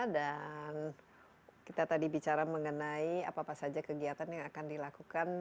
dan kita tadi bicara mengenai apa saja kegiatan yang akan dilakukan